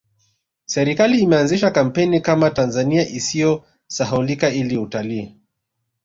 serikali imeanzisha kampeni Kama tanzania isiyo sahaulika ili utalii